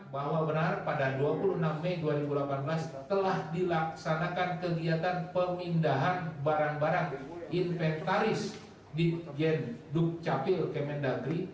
bahwa benar pada dua puluh enam mei dua ribu delapan belas telah dilaksanakan kegiatan pemindahan barang barang inventaris di gen dukcapil kemendagri